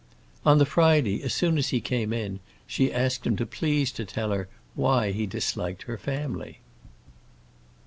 On the Friday, as soon as he came in, she asked him to please to tell her why he disliked her family.